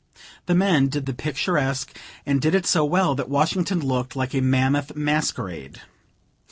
The men did the picturesque, and did it so well that Washington looked like a mammoth masquerade.